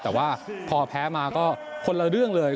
แต่ว่าพอแพ้มาก็คนละเรื่องเลย